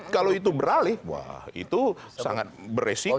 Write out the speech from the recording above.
kalau itu beralih wah itu sangat beresiko